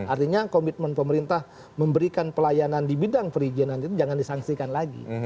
artinya komitmen pemerintah memberikan pelayanan di bidang perizinan itu jangan disangsikan lagi